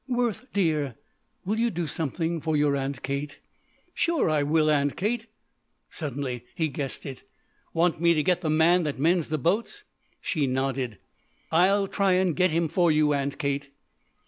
"Worth dear, will you do something for your Aunt Kate?" "Sure I will, Aunt Kate." Suddenly he guessed it. "Want me to get the man that mends the boats?" She nodded. "I'll try and get him for you, Aunt Kate."